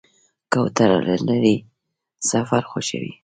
کوتره له لرې سفر خوښوي.